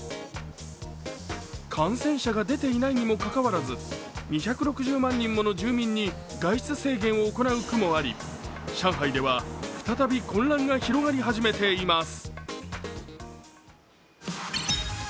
感染者が出ていないにもかかわらず２６０万人もの住民に外出制限を行う区もあり上海では再び混乱が広がり始めています。